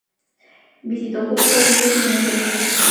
Visitó Cuba, Estados Unidos y Venezuela.